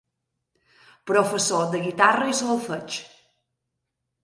Professor de guitarra i solfeig.